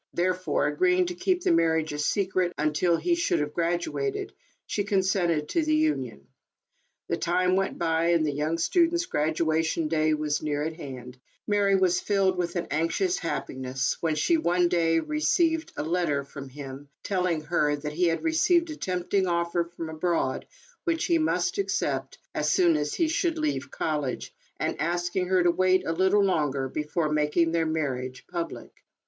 Therefore, agreeing to keep the marriage a secret, until he should have graduated, she consented to the union. The time went by, and the young student's graduation day was near at hand, and Mary was filled with an anxious happiness, when she, one day, received a letter from him, telling her that he had received a tempting offer from abroad, which he must accept, as soon as he should leave ALICE ; OR, THE WAGES OF SIN. 9 college, and asking her to wait a little longer, be fore making their marriage public.